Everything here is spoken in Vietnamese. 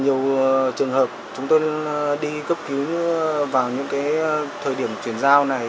nhiều trường hợp chúng tôi đi cấp cứu vào những thời điểm chuyển giao này